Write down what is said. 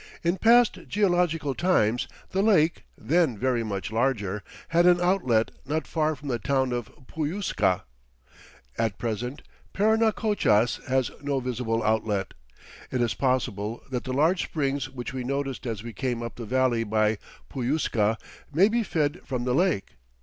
In past geological times the lake, then very much larger, had an outlet not far from the town of Puyusca. At present Parinacochas has no visible outlet. It is possible that the large springs which we noticed as we came up the valley by Puyusca may be fed from the lake.